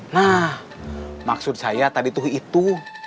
nah maksud saya tadi tuh itu